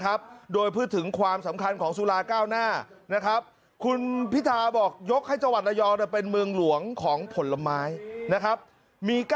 ก่อนนึกออกแหละว่าจะต้องการสื่อเรื่องนี้